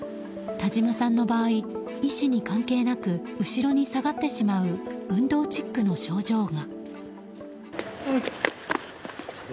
田島さんの場合、意思に関係なく後ろに下がってしまう運動チックの症状が。